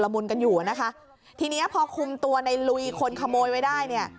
มุนกันอยู่นะคะทีเนี้ยพอคุมตัวในลุยคนขโมยไว้ได้เนี่ย